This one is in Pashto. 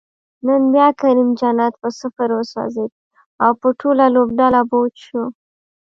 نن بیا کریم جنت په صفر وسوځید، او په ټوله لوبډله بوج شو